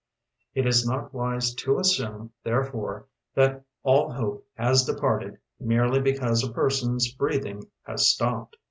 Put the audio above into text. It Is not wise to assume, therefore that all hope has departed merely because a persons breathing; baa atopped.